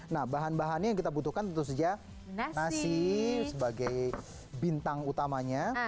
nah bahan bahannya yang kita butuhkan tentu saja nasi sebagai bintang utamanya